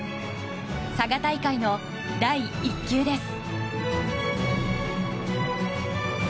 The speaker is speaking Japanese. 佐賀大会の第１球です。